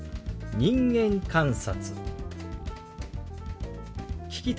「人間観察」。